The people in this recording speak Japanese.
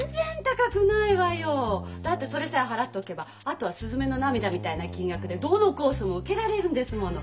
だってそれさえ払っておけばあとは「すずめの涙」みたいな金額でどのコースも受けられるんですもの。